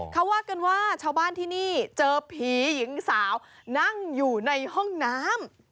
เขาว่ากันว่าชาวบ้านที่นี่เจอผีหญิงสาวนั่งอยู่ในห้องน้ำ